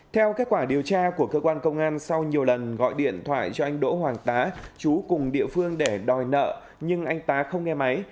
theo kết quả điều tra của cơ quan công an sau nhiều lần gọi điện thoại cho anh đỗ hoàng tá chú cùng địa phương để đòi nợ nhưng anh tá không nghe máy